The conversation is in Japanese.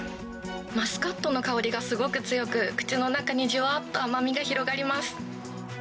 マスカットの香りがすごく強く、口の中にじゅわっと甘みが広がります。